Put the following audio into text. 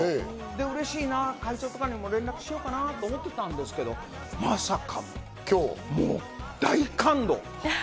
うれしいな、会長とかにも連絡しようかなぁって思ってたんですけど、まさかの今日、大感動！